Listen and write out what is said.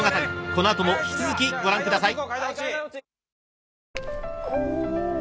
［この後も引き続きご覧ください］